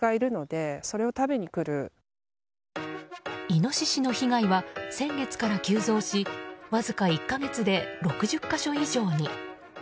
イノシシの被害は先月から急増しわずか１か月で６０か所以上に。